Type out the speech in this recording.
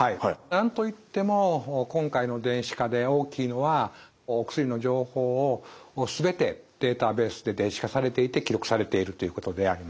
何と言っても今回の電子化で大きいのはお薬の情報をすべてデータベースで電子化されていて記録されているということであります。